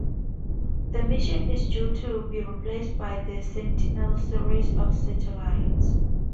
The mission is due to be replaced by the Sentinel series of satellites.